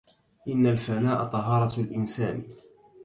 إن الفناء طهارة الإنسان